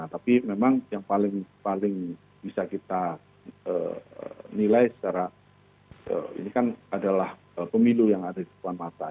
tapi memang yang paling bisa kita nilai adalah pemilu yang ada di depan mata